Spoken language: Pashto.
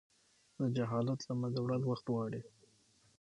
د جهالت له منځه وړل وخت غواړي.